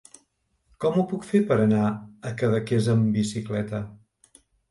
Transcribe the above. Com ho puc fer per anar a Cadaqués amb bicicleta?